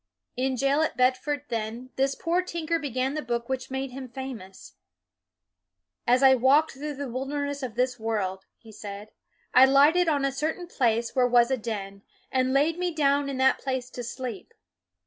In jail at Bedford, then, this poor tinker began the book which made him famous. " As I walked through the wil derness of this world," he said, " I lighted on a certain place where was a den, and laid me down in that place to sleep."